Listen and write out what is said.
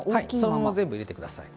そのまま全部入れてください。